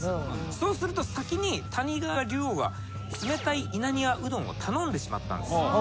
そうすると先に谷川竜王が冷たい稲庭うどんを頼んでしまったんです。